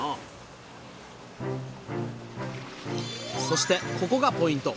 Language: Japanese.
そしてここがポイント！